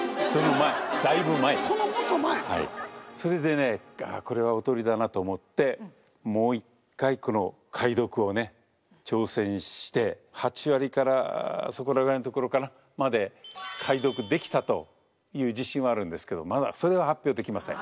それでねこれはおとりだなと思ってもう一回この解読をね挑戦して８割からそこら辺のところかなまで解読できたという自信はあるんですけどまだそれは発表できません。